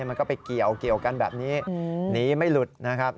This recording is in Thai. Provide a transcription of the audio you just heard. มันก็ไปเกี่ยวกันแบบนี้หนีไม่หลุดนะครับ